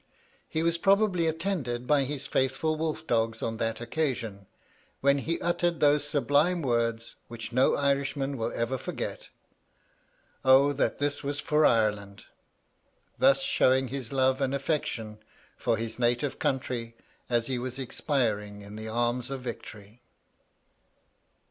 He was probably attended by his faithful wolf dogs on that occasion, when he uttered those sublime words which no Irishman will ever forget "Oh that this was for Ireland!" thus showing his love and affection for his native country as he was expiring in the arms of victory.